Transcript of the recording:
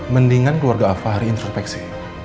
mendingan keluarga afahri introspeksi